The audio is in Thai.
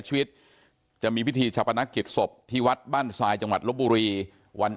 ชีวิตจะมีพิธีชาปนักกิจศพที่วัดบ้านทรายจังหวัดลบบุรีวัน